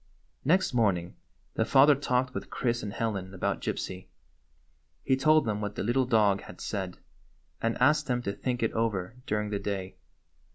Next morning the father talked with Chris and Helen about Gypsy. He told them what the little dog had said, and asked them to think it over during the day.